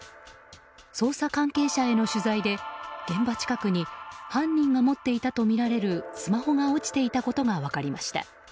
捜査関係者への取材で現場近くに犯人が持っていたとみられるスマホが落ちていたことが分かりました。